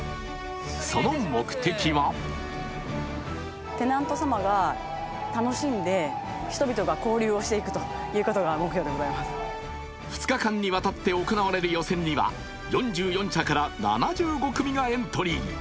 その目的は２日間にわたって行われる予選には４４社から７５組がエントリー。